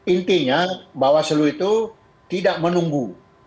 intinya bawah suluh itu tidak menunggu